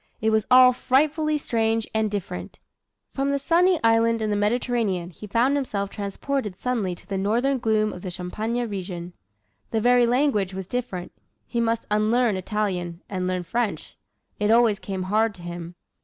It was all frightfully strange and different. From the sunny island in the Mediterranean he found himself transported suddenly to the northern gloom of the Champagne region. The very language was different. He must unlearn Italian, and learn French. It always came hard to him.